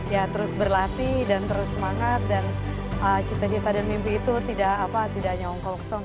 ya terus berlatih dan terus semangat dan cita cita dan mimpi itu tidak hanya hongkong